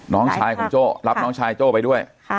น้องชายของโจ้รับน้องชายโจ้ไปด้วย